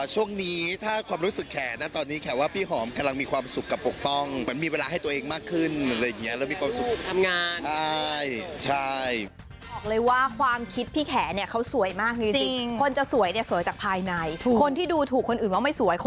ช่วงนี้ถ้าความรู้สึกแขนนะตอนนี้แขกว่าพี่หอมกำลังมีความสุขกับปกป้องเหมือนมีเวลาให้ตัวเองมากขึ้นอะไรอย่างนี้แล้วมีความสุขทำงาน